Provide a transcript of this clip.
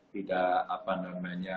tidak apa namanya